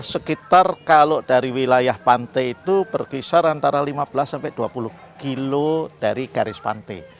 sekitar kalau dari wilayah pantai itu berkisar antara lima belas sampai dua puluh kilo dari garis pantai